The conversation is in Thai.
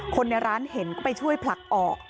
คนในร้านเห็นก็ไปช่วยผลักออก